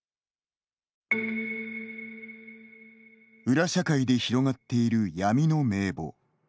裏社会で広がっている闇の名簿。